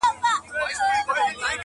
شـاه خـوبــانــه نــور مـې مــــه ازاروه